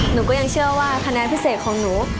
หนูก็ยังเชื่อว่าคะแนนพิเศษของหนู